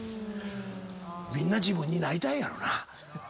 みんな自分になりたいやろうな。